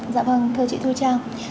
dạ vâng thưa chị thu trang